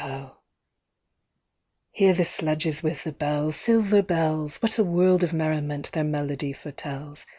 Hear the sledges with the bells— Silver bells! What a world of merriment their melody foretells!